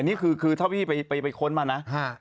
นี่คือถ้าพี่ไปค้นมานะ